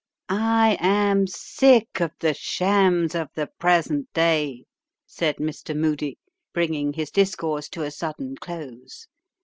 "I am sick of the shams of the present day," said Mr. Moody, bringing his discourse to a sudden close.